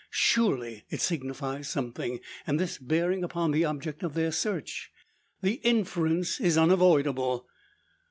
Surely it signifies something, and this bearing upon the object of their search? The inference is unavoidable.